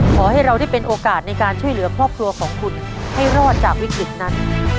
ขอให้เราได้เป็นโอกาสในการช่วยเหลือครอบครัวของคุณให้รอดจากวิกฤตนั้น